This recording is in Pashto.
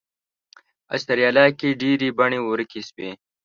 استرالیا کې یې ډېرې بڼې ورکې شوې.